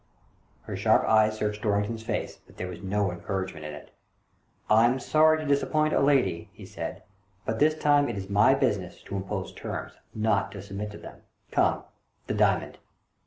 Her sharp e3^es searched Dorrington's face, but there was no encouragement in it. "I am sorry to disappoint a lady," he said, " but this time it is my business to impose terms, not to submit to them. Come, the diamond